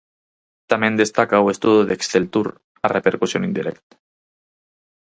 Tamén destaca o estudo de Exceltur a repercusión indirecta.